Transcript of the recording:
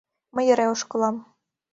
Мый эре ошкылам;